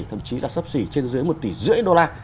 thậm chí là sắp xỉ trên dưới một tỷ rưỡi đô la